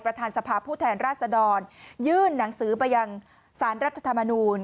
สภาพผู้แทนราชดรยื่นหนังสือไปยังสารรัฐธรรมนูล